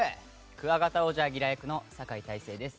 クワガタオージャーギラ役の酒井大成です。